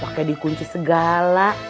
pakai di kunci segala